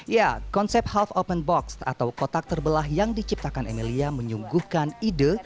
ya konsep health open box atau kotak terbelah yang diciptakan emilia menyungguhkan ide